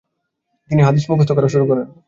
তিনি হাদীস মুখস্থ করা শুরু করেন।